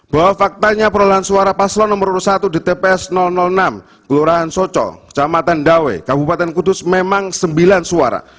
bahwa faktanya perolahan suara paslon nomor satu di tps enam kelurahan socong kecamatan dawe kabupaten kudus memang sembilan suara